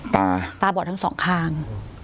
ตาตาบอดทั้งสองข้าง